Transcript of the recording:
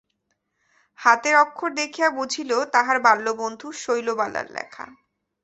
হাতের অক্ষর দেখিয়া বুঝিল তাহার বাল্যবন্ধু শৈলবালার লেখা।